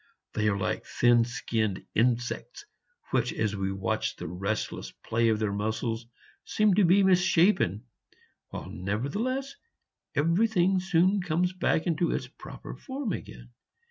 They are like thin skinned insects, which, as we watch the restless play of their muscles, seem to be misshapen, while nevertheless everything soon comes back into its proper form again.